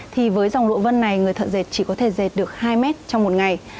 thì với dòng lụa vân này người thợ dệt chỉ có thể dệt được hai mét trong một ngày